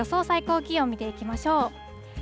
最高気温、見ていきましょう。